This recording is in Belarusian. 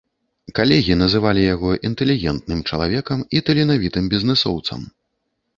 Калегі называлі яго інтэлігентным чалавекам і таленавітым бізнэсоўцам.